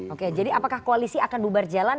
oke jadi apakah koalisi akan bubar jalan